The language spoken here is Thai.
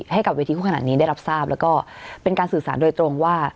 ให้กับเวทีคู่ขนาดนี้ได้รับทราบแล้วก็เป็นการสื่อสารโดยตรงว่า